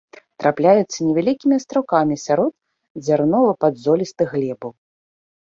Трапляюцца невялікімі астраўкамі сярод дзярнова-падзолістых глебаў.